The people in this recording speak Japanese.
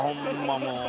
もう。